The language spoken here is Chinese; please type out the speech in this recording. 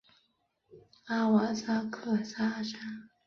阿瓦萨克萨山。